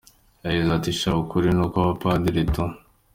Yagize ati: “Sha ukuri ni ukw’abapadiri tu.